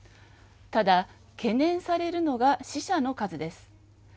ただ、懸念されるのが死者の数です。